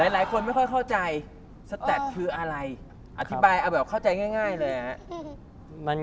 หลายคนไม่ค่อยเข้าใจสแตปคืออะไรอธิบายเอาแบบเข้าใจง่ายเลยครับ